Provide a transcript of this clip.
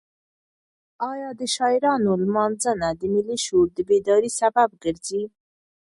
ایا د شاعرانو لمانځنه د ملي شعور د بیدارۍ سبب ګرځي؟